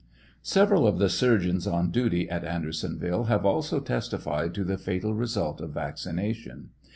Several of the surgeons on duty at Andersonville have also testified to the fatal result of vaccination.